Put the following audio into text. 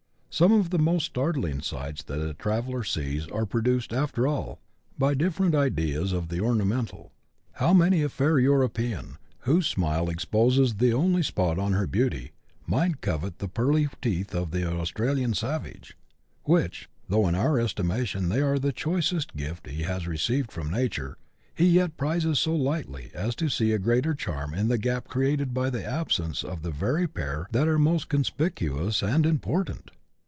Some of the most startling sights that a traveller sees are produced, after all, by different ideas of the ornamental: how many a fair European, whose smile exposes the only spot on her beauty, might covet the pearly teeth of the Australian savage, which, though in our estimation they are the choicest gift he has received from nature, he yet prizes so lightly as to see a greater charm in the gap created by the absence of the very pair that are most conspicuous and important